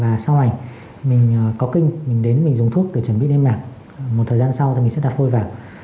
và sau này mình có kinh mình đến mình dùng thuốc để chuẩn bị lên mảng một thời gian sau thì mình sẽ đặt phôi vào